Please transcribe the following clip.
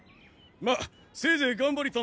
まあせいぜい頑張りたまえ。